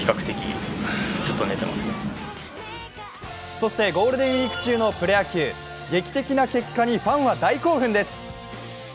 そしてゴールデンウイーク中のプロ野球、劇的な結果にファンは大興奮です。